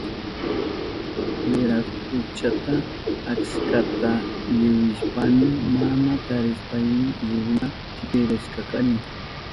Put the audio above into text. Wirakuchata achkata liwishpayni mana tarishpayni liwiwa kiparishkani.